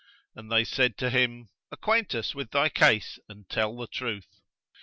And they said to him, "Acquaint us with thy case and tell the truth."